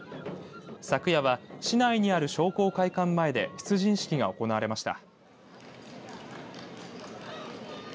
昨夜は市内にある商工会館前で出陣式が行われました。